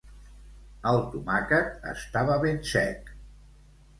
El tomàquet estava ben sec